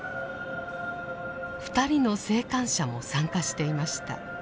２人の生還者も参加していました。